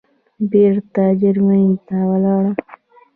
بېرته جرمني ته ولاړم.